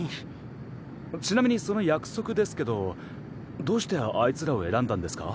ちなみにその約束ですけどどうしてあいつらを選んだんですか？